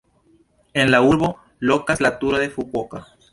En la urbo lokas la Turo de Fukuoka.